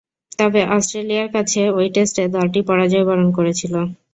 তবে অস্ট্রেলিয়ার কাছে ঐ টেস্টে দলটি পরাজয়বরণ করেছিল।